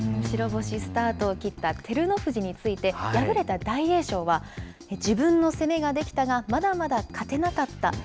白星スタートを切った照ノ富士について、敗れた大栄翔は、自分の攻めができたが、まだまだ勝てなかった。